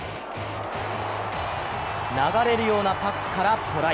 流れるようなパスからトライ。